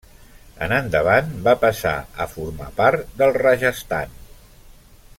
En endavant va passar a formar part del Rajasthan.